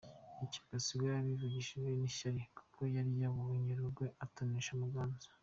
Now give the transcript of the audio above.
Ibyo Gasigwa yabivugishijwe n’ishyari kuko yari yabonye Rugwe atonesha Muganza .